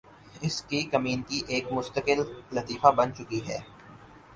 اس کی کمینگی ایک مستقل لطیفہ بن چکی ہے